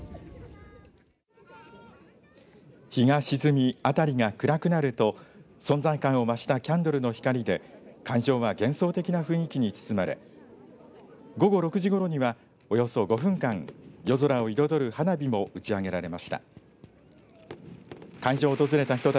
日が沈み、辺りが暗くなると存在感を増したキャンドルの光で会場は幻想的な雰囲気に包まれ午後６時ごろにはおよそ５分間、夜空を彩る花火も打ち上げられました。